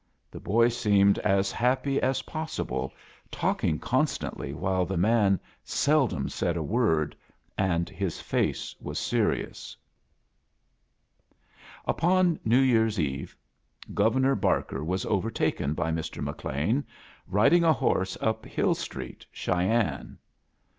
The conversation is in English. The boy seemed as happy as pos A JOURNEY IN SEARCH OF CHRISTBIAS sible, tafkios constantly, wHHe the man sel dom said a word, and his face was serioua. Upon New Year's Eve Governor Bar ker was overtaken by Mr. McLean riding a horse up Hill Street, Cheyenne.